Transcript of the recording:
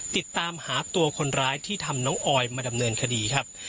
ติดตามหาตัวคนร้ายที่ทำน้องออยมาดำเนินคดีครับ